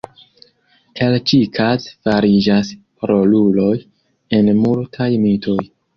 El ĉi-kaze fariĝas roluloj en multaj mitoj.